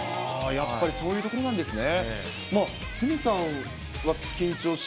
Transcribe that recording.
やっぱりそういうところなんですね。